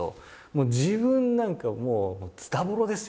自分なんかもうズタボロですよ。